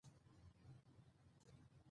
ځوانان د مرستې غوښتنه د ځواک نښه وګڼي.